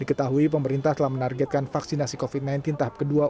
diketahui pemerintah telah menargetkan vaksinasi covid sembilan belas tahap kedua